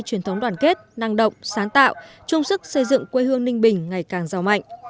truyền thống đoàn kết năng động sáng tạo chung sức xây dựng quê hương ninh bình ngày càng giàu mạnh